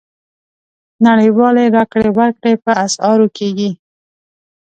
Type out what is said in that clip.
نړیوالې راکړې ورکړې په اسعارو کېږي.